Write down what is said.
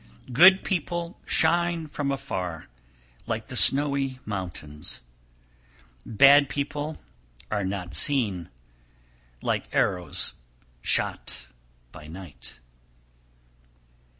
304. Good people shine from afar, like the snowy mountains; bad people are not seen, like arrows shot by night.